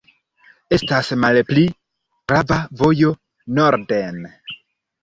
Estas malpli grava vojo norden.